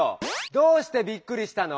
どうしてびっくりしたの？